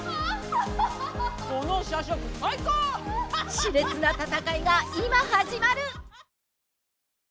しれつな戦いが今始まる！